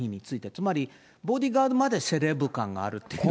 つまり、ボディーガードまでセレブ感があるっていうか。